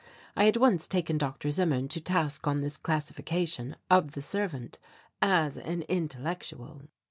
I had once taken Dr. Zimmern to task on this classification of the servant as an intellectual.